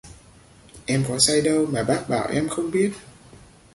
Em có say đâu mà bác bảo em không biết